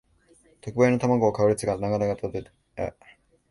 特売の玉子を買う列が長々と出来ていた